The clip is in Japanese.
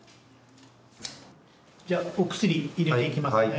じゃお薬入れていきますね。